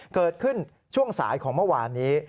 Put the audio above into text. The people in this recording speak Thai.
เกิดขึ้นช่วงสายของเมื่อวานนี้